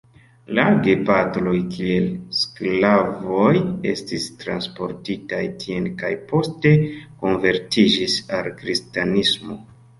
La gepatroj kiel sklavoj estis transportitaj tien kaj poste konvertiĝis al kristanismo.